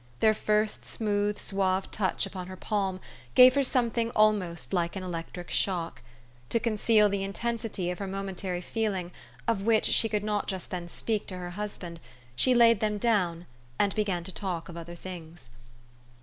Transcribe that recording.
Their first smooth, suave touch upon her palm gave her something almost like an electric shock. To conceal the intensity of her momentary feeling, of which she could not just then speak to her husband, THE STORY OF AVIS. 267 she laid them down, and began to talk of other things.